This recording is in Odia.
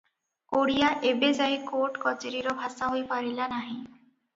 ଓଡ଼ିଆ ଏବେ ଯାଏ କୋର୍ଟ କଚେରିର ଭାଷା ହୋଇପାରିଲା ନାହିଁ ।